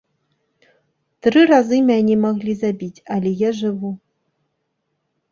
Тры разы мяне маглі забіць, але я жыву.